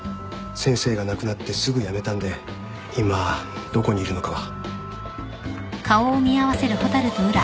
先生が亡くなってすぐ辞めたんで今どこにいるのかは。